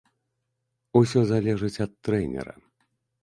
Усе залежыць ад трэнера.